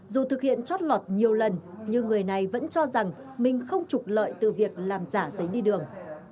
dù thực hiện chót lọt nhiều lần nhưng người này vẫn cho rằng mình không trục lợi từ việc làm giả giấy đi đường